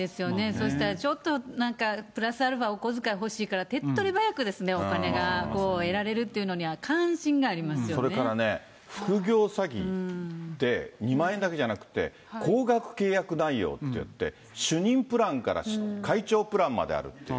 そうしたらちょっとなんか、プラスアルファお小遣い欲しいから、手っとり早くですね、お金が得られるっていうのには、関心がありそれからね、副業詐欺って、２万円だけじゃなくて、高額契約内容っていって、主任プランから会長プランまであるっていう。